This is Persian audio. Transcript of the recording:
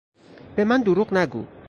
به من دروغ نگو!